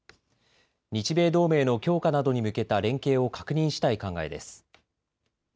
日米同盟の強化などに向けた連携を確認したい考えです。